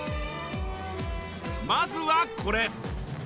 まずはこれ。